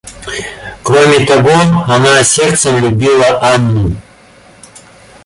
Кроме того, она сердцем любила Анну.